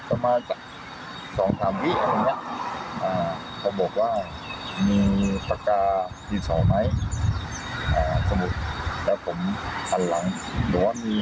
ประมาณสักสองสามวินาทีก็แบบนี้